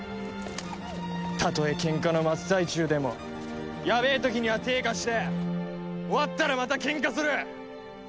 たとえ喧嘩の真っ最中でもやべえ時には手ぇ貸して終わったらまた喧嘩する！